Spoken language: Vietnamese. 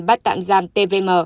bắt tạm giam tvm